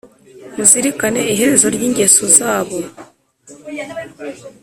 Muzirikane iherezo ry ingeso zabo